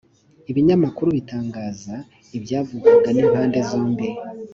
ibinyamakuru bigatangaza ibyavugwaga n’impande zombi